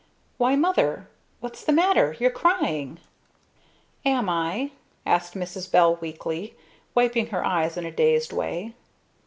Why, Mother! What's the matter? You're crying!" "Am I?" asked Mrs. Bell weakly; wiping her eyes in a dazed way.